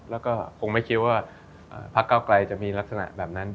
แล้วก็คงไม่คิดว่าพักเก้าไกลจะมีลักษณะแบบนั้น